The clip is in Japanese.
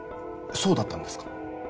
そうだったんですか？